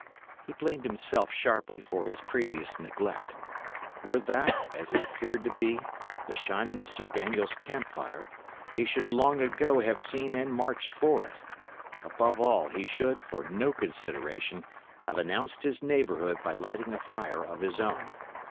He blamed himself sharply for his previous neglect. Were that, as it appeared to be, the shining of Sir Daniel's camp fire, he should long ago have seen and marched for it; above all, he should, for no consideration, have announced his neighbourhood by lighting a fire of his own.